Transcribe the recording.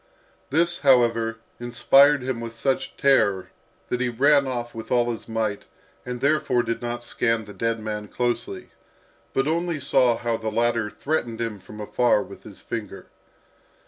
This, however, inspired him with such terror, that he ran off with all his might, and therefore did not scan the dead man closely, but only saw how the latter threatened him from afar with his finger.